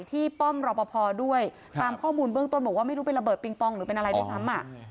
ป้อมรอปภด้วยตามข้อมูลเบื้องต้นบอกว่าไม่รู้เป็นระเบิดปิงปองหรือเป็นอะไรด้วยซ้ำ